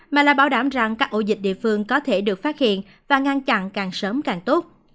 mà là bảo đảm rằng các ổ dịch địa phương có thể được phát hiện và ngăn chặn càng sớm càng tốt